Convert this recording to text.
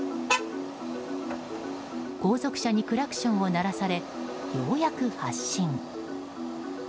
後続車にクラクションを鳴らされようやく発進。